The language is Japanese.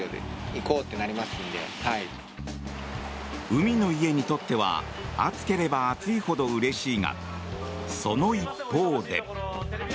海の家にとっては暑ければ暑いほどうれしいがその一方で。